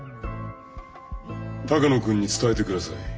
鷹野君に伝えてください。